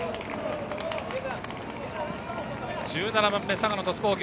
１７番目、佐賀の鳥栖工業。